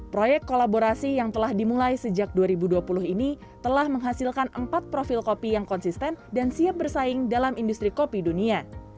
proyek kolaborasi yang telah dimulai sejak dua ribu dua puluh ini telah menghasilkan empat profil kopi yang konsisten dan siap bersaing dalam industri kopi dunia